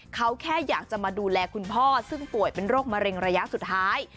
เขาแค่อยากจะมาดูแลคุณพ่อซึ่งป่วยเป็นโรคมะเร็งระยะสุดท้าย